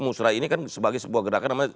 musrah ini kan sebagai sebuah gerakan namanya